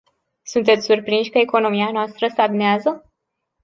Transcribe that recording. Sunteți surprinși că economia noastră stagnează?